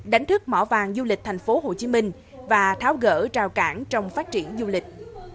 đánh thức mỏ vàng du lịch tp hcm và tháo gỡ trao cản trong phát triển du lịch